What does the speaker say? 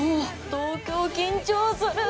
東京、緊張する！